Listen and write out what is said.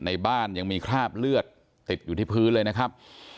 ในบ้านยังมีคราบเลือดติดอยู่ที่พื้นเลยนะครับ